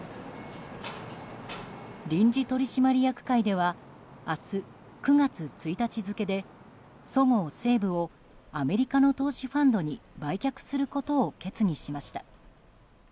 臨時取締役会では明日、９月１日付でそごう・西武をアメリカの投資ファンドに売却することを決議しました。